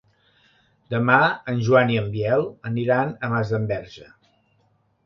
Demà en Joan i en Biel aniran a Masdenverge.